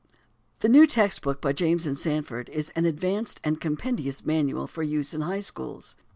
The new text book by James and Sanford is an advanced and compendious manual for use in high schools.